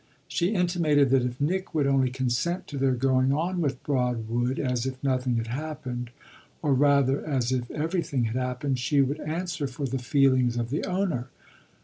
She intimated that if Nick would only consent to their going on with Broadwood as if nothing had happened or rather as if everything had happened she would answer for the feelings of the owner.